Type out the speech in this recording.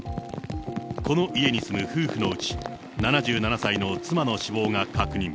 この家に住む夫婦のうち、７７歳の妻の死亡が確認。